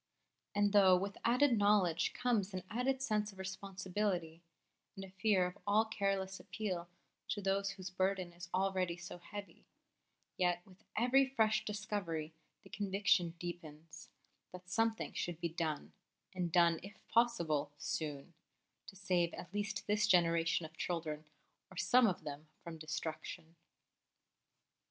And though with added knowledge comes an added sense of responsibility, and a fear of all careless appeal to those whose burden is already so heavy, yet with every fresh discovery the conviction deepens that something should be done and done, if possible, soon to save at least this generation of children, or some of them, from destruction.